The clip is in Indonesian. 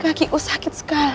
kaki aku sakit sekali